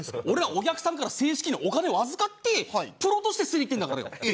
俺はお客さんから正式にお金を預かってプロとして捨てに行ってるんだからよ。